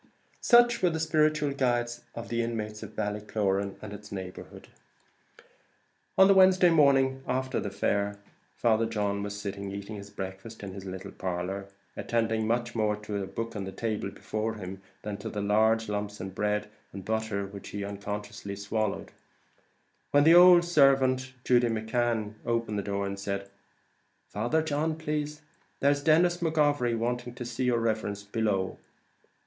Such were the spiritual guides of the inmates of Ballycloran and its neighbourhood. On the Wednesday morning after the fair, Father John was sitting eating his breakfast in his little parlour, attending much more to a book on the table before him than to the large lumps of bread and butter which he unconsciously swallowed, when the old woman servant, Judy McCan, opened the door and said, "Father John, plase, there's Denis McGovery wanting to see yer riverence, below then."